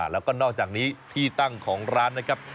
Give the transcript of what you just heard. แล้วก็นอกจากนี้ที่ตั้งของร้านนะครับ